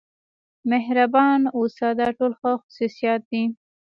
مهربان اوسه دا ټول ښه خصوصیات دي.